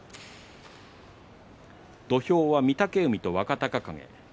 土俵は御嶽海と若隆景。